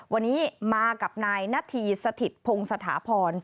วันนี้มากับนายนาธีสถิตพงศถาพร